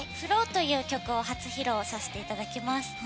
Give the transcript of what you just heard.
「Ｆｌｏｗ」という曲を初披露させていただきます。